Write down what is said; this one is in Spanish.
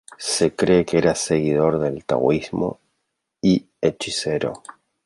Se cree que era seguidor del Taoísmo y hechicero.